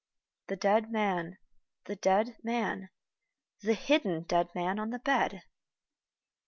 The dead man, the dead man, the hidden dead man on the bed!